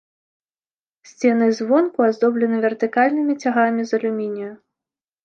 Сцены звонку аздоблены вертыкальнымі цягамі з алюмінію.